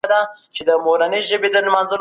د دې لویو شخصیتونو یاد باید تل ژوندی وساتل سي.